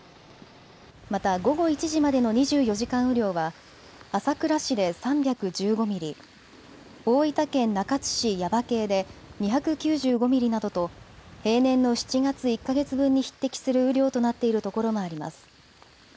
また午後１時までの２４時間雨量は朝倉市で３１５ミリ、大分県中津市耶馬溪で２９５ミリなどと平年の７月１か月分に匹敵する雨量となっているところもあります。